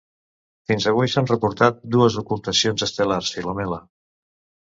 Fins avui s'han reportat dues ocultacions estel·lars Filomela.